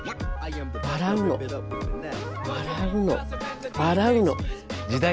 笑うの笑うの笑うの。